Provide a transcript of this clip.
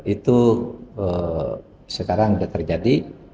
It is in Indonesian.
itu sekarang sudah terjadi